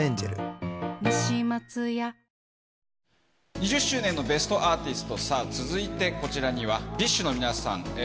２０周年の『ベストアーティスト』、続いてこちらにはＢｉＳＨの皆さんです。